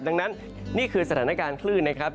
ดังนั้นนี่คือสถานการณ์คลื่นนะครับ